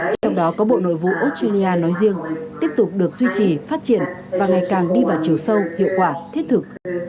trong đó có bộ nội vụ australia nói riêng tiếp tục được duy trì phát triển và ngày càng đi vào chiều sâu hiệu quả thiết thực